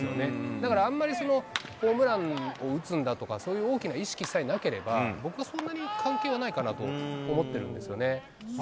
だからあんまり、ホームランを打つんだとか、そういう大きな意識さえなければ、僕はそんなに関係はないかなと思ってるんですよね。